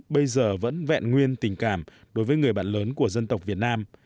bây giờ vẫn vẹn nguyên tình cảm đối với người bạn lớn của dân tộc việt nam